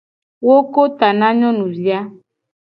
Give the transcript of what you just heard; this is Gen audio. Wo ko ta na nyonuvi a.